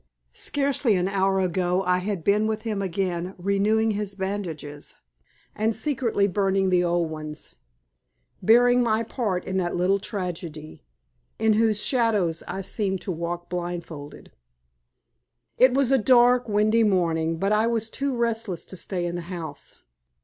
Scarcely an hour ago I had been with him again renewing his bandages and secretly burning the old ones bearing my part in that little tragedy, in whose shadows I seemed to walk blindfolded. It was a dark, windy morning, but I was too restless to stay in the house.